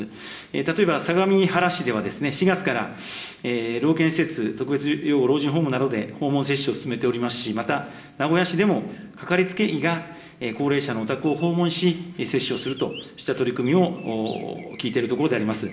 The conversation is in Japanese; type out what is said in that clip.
例えば、相模原市では、４月から老健施設、特別養護老人ホームなどで訪問接種を進めておりますし、また名古屋市でも掛かりつけ医が高齢者のお宅を訪問し、接種をするとした取り組みも聞いているところであります。